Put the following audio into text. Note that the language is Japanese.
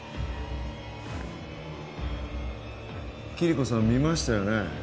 キリコさん見ましたよね